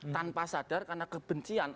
tanpa sadar karena kebencian